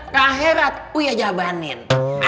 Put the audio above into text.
kahe rat uya jabanin